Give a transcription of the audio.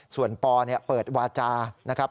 ส่วนปเปิดวาจานะครับ